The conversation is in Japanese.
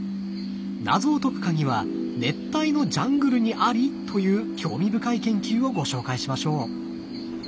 謎を解く鍵は熱帯のジャングルにあり！という興味深い研究をご紹介しましょう。